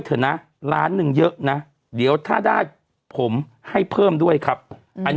เถอะนะล้านหนึ่งเยอะนะเดี๋ยวถ้าได้ผมให้เพิ่มด้วยครับอันนี้